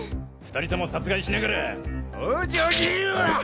２人とも殺害しながら往生際。